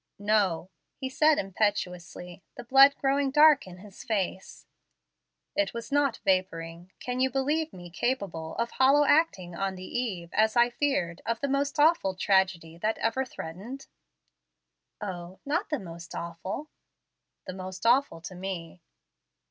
"No," he said impetuously, the blood growing dark in his face; "it was not vaporing. Can you believe me capable of hollow acting on the eve, as I feared, of the most awful tragedy that ever threatened?" "O, not the 'most awful'!" "The most awful to me."